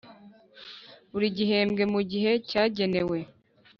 Buri gihembwe mu gihe cyagenewe